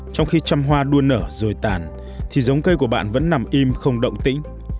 trong khi trăm hoa đua nở rồi tản thì giống cây của bạn vẫn nằm im không động tĩnh